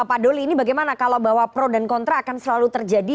pak doli ini bagaimana kalau bahwa pro dan kontra akan selalu terjadi